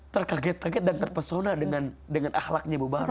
terkaget kaget dan terpesona dengan ahlaknya mubarok